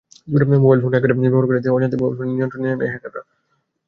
Mobile phone hack করে ব্যবহারকারীর অজান্তেই মোবাইল ফোনের নিয়ন্ত্রণ নিয়ে নেয় হ্যাকাররা।